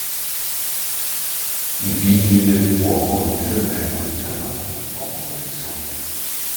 I vigili del fuoco intervengono salvando poche persone.